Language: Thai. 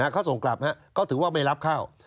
เขาส่งกลับเขาถือว่าไม่รับเข้า